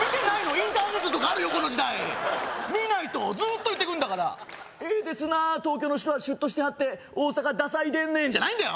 インターネットとかあるよこの時代見ないとずっと言ってくんだからええですな東京の人はシュッとしてはって大阪ダサいでんねんじゃないんだよ！